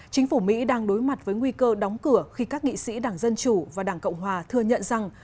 chính phủ mỹ đang đối mặt với nguy cơ đóng cửa khi các nghị sĩ đảng dân chủ và đảng cộng hòa thừa nhận rằng